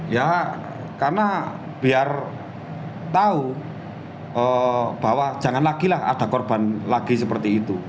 ya karena biar tahu bahwa jangan lagi lah ada korban lagi seperti itu